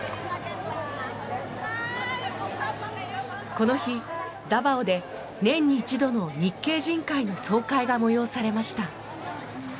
この日ダバオで年に一度の日系人会の総会が催されました。